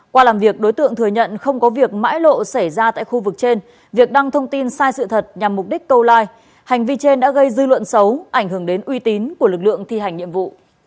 qua làm việc đối tượng thừa nhận không có việc mãi lộ xảy ra tại khu vực trên việc đăng thông tin sai sự thật nhằm mục đích câu like hành vi trên đã gây dư luận xấu ảnh hưởng đến uy tín của lực lượng thi hành nhiệm vụ